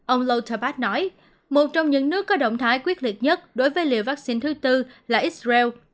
ông louterpat nói một trong những nước có động thái quyết liệt nhất đối với liều vaccine thứ tư là israel